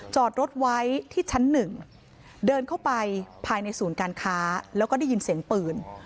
จอดรถไว้ที่ชั้นหนึ่งเดินเข้าไปภายในศูนย์การค้าแล้วก็ได้ยินเสียงปืน